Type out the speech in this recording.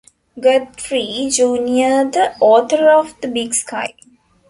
Guthrie, Junior the author of "The Big Sky".